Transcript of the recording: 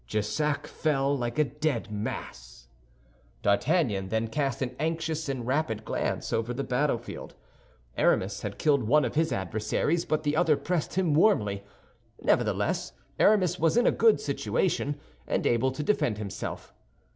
Jussac fell like a dead mass. D'Artagnan then cast an anxious and rapid glance over the field of battle. Aramis had killed one of his adversaries, but the other pressed him warmly. Nevertheless, Aramis was in a good situation, and able to defend himself.